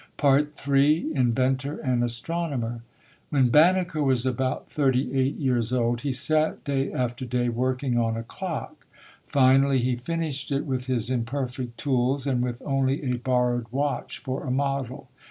Ill INVENTOR AND ASTRONOMER When Banneker was about thirty eight years old he sat day after day working on a clock. Finally he finished it with his imperfect tools and with only a borrowed watch for a model.